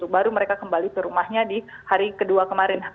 baru mereka kembali ke rumahnya di hari kedua kemarin